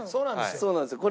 そうなんですよ。